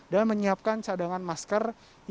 dan menyiapkan cadangan masker